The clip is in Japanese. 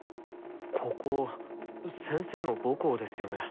ここ先生の母校ですよね？